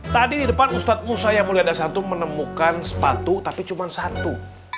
tadi di depan ustadz musa yang mulia dasyat itu menemukan sepatu tapi cuman satu